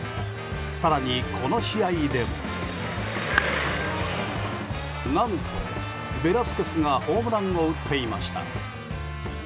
更に、この試合でも。何と、ベラスケスがホームランを打っていました。